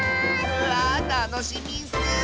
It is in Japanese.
わあたのしみッス！